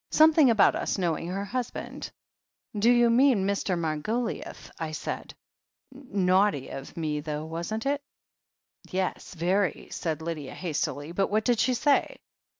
Some thing about us knowing her husband. 'Do you mean Mr. Margoliouth ?' I said. Naughty of me, though, wasn't it?" "Yes, very," said Lydia hastily. "But what did she say?"